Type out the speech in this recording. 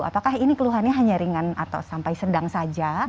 apakah ini keluhannya hanya ringan atau sampai sedang saja